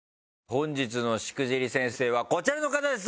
本日のしくじり先生はこちらの方です。